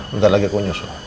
ntar lagi aku nyusul